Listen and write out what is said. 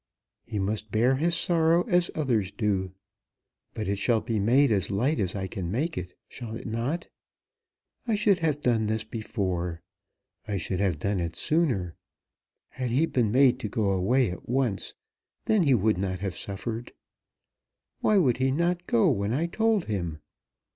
"He must bear his sorrow as others do." "But it shall be made as light as I can make it, shall it not? I should have done this before. I should have done it sooner. Had he been made to go away at once, then he would not have suffered. Why would he not go when I told him?